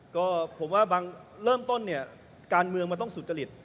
ก็ผมว่าบางเริ่มต้นเนี่ยการเมืองมันต้องสุจริต